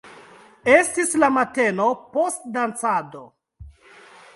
Estis la mateno post dancado.